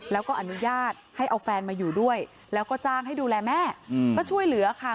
แล้วก็อนุญาตให้เอาแฟนมาอยู่ด้วยแล้วก็จ้างให้ดูแลแม่ก็ช่วยเหลือค่ะ